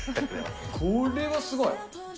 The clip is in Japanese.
これはすごい。